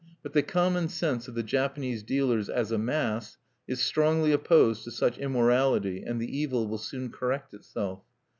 But the common sense of the Japanese dealers, as a mass, is strongly opposed to such immorality, and the evil will soon correct itself.